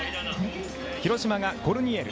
広島がコルニエル。